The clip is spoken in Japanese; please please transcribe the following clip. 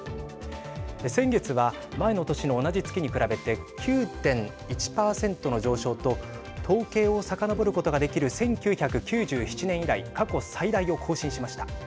先月は、前の年の同じ月に比べて９．１％の上昇と統計をさかのぼることができる１９９７年以来過去、最大を更新しました。